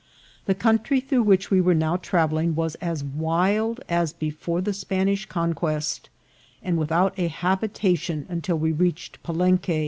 The country through which we were now travelling was as wild as before the Spanish conquest, and with out a habitation until we reached Palenque.